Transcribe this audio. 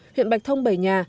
huyện bạch thông bảy nhà